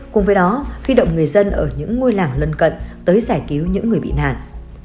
cùng với đó huy động người dân ở những ngôi làng lân cận tới giải cứu những người bị nạn